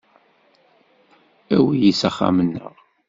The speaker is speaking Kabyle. Awi-iyi s axxam-nneɣ.